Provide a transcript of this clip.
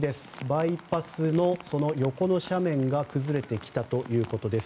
バイパスの横の斜面が崩れてきたということです。